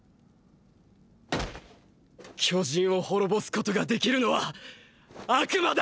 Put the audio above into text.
巨人を滅ぼすことができるのは悪魔だ！！